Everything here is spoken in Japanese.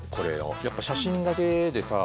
やっぱ写真だけでさ。